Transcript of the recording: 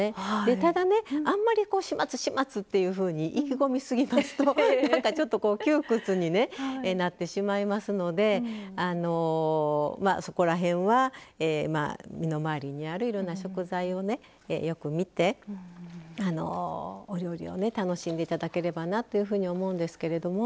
ただ、あんまり始末、始末！って意気込みすぎますと、ちょっと窮屈になってしまいますのでそこら辺は身の回りにあるいろんな食材をよく見てお料理を楽しんでいただければなと思うんですけれども。